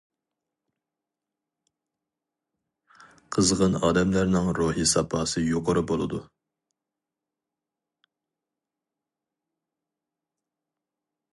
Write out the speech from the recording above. قىزغىن ئادەملەرنىڭ روھىي ساپاسى يۇقىرى بولىدۇ.